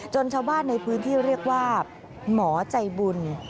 ชาวบ้านในพื้นที่เรียกว่าหมอใจบุญ